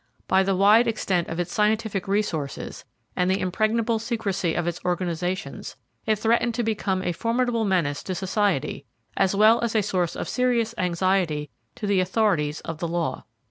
By the wide extent of its scientific resources, and the impregnable secrecy of its organisations, it threatened to become, a formidable menace to society, as well as a source of serious anxiety to the authorities of the law.